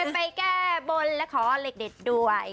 ไปแก้บนและขอเลขเด็ดด้วย